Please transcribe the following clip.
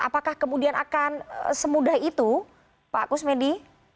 apakah kemudian akan semudah itu pak agus medi